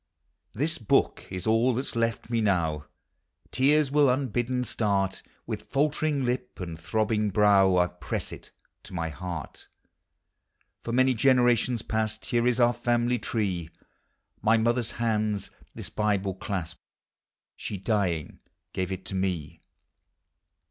This book is all that 's loft me now, — Tears will unbidden start, — With faltering lip and throbbing brow 1 press it to my heart. For many generations past Here is our family tree; My mother's hands this Bible clasped, She, dying, gave it me.